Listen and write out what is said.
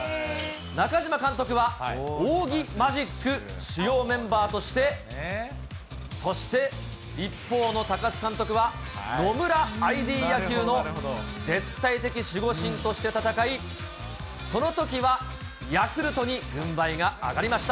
中嶋監督は仰木マジック主要メンバーとして、そして、一方の高津監督は野村ＩＤ野球の絶対的守護神として戦い、そのときはヤクルトに軍配が上がりました。